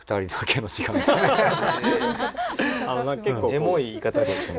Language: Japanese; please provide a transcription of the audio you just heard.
エモい言い方ですね。